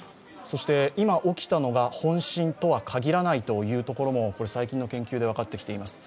そして今起きたのが本震とはかぎらないというところも最近の研究で分かってきています。